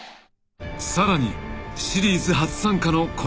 ［さらにシリーズ初参加のこの２人］